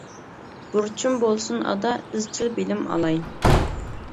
بۇرچۇم بولسۇن ئادا، ئىزچىل بىلىم ئالاي.